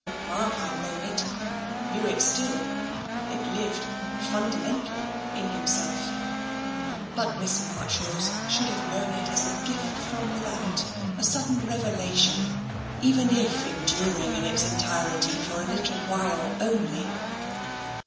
Mark had known it, knew it still. It lived, fundamental, in himself. But Miss Marchrose should have known it as a gift from without, a sudden revelation, even if enduring in its entirety for a little while only.